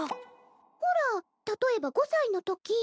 ほら例えば５歳のとき。